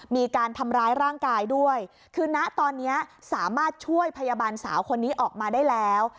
มีการทำร้ายร่างกายด้วยคือนะตอนนี้สามารถช่วยพยาบาลสาวคนนี้ออกมาได้แล้ว